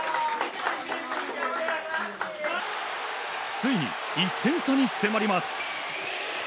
ついに１点差に迫ります。